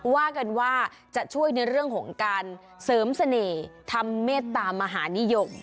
ว่ากันว่าจะช่วยในเรื่องของการเสริมเสน่ห์ทำเมตตามหานิยม